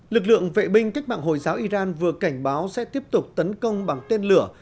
lực lượng vệ binh cách mạng hồi giáo iran vừa cảnh báo sẽ tiếp tục tấn công bằng tên lửa